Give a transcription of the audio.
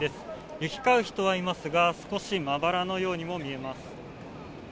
行き交う人はいますが、少しまばらのようにも見えます。